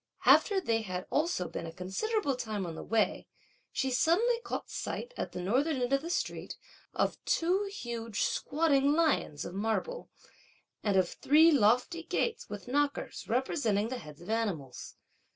After they had also been a considerable time on the way, she suddenly caught sight, at the northern end of the street, of two huge squatting lions of marble and of three lofty gates with (knockers representing) the heads of animals.